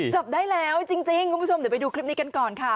จับได้แล้วจริงคุณผู้ชมเดี๋ยวไปดูคลิปนี้กันก่อนค่ะ